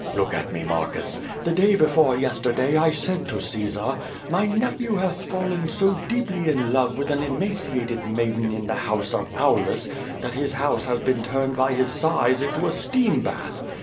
"Look at me, Marcus. The day before yesterday I said to Caesar: '^My nephew hath fallen so deeply in love with an emaciated maiden in the house of Aulus, that his house has been turned by his sighs into a steam bath.